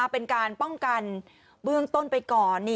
เป็นการป้องกันเบื้องต้นไปก่อน